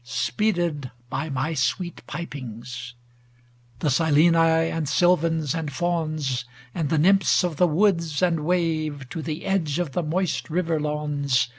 Speeded by my sweet pipings. The Sileni, and Sylvans, and Fauns, And the Nymphs of the woods and waves, To the edge of the moist river lawns.